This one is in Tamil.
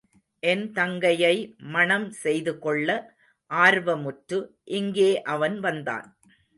என் தங்கையை மணம் செய்துகொள்ள ஆர்வமுற்று, இங்கே அவன் வந்தான்.